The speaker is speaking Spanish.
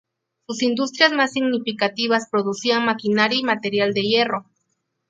Sus industria más significativas producían maquinaría y material de hierro.